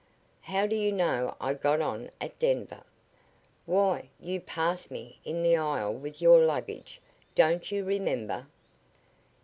"How do you know I got on at Denver?' "Why, you passed me in the aisle with your luggage. Don't you remember?"